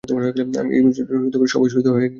এই মিশনে জাট সৈন্য দলের সবাই শহীদ হয়ে গিয়েছিল।